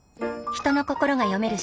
人の心が読める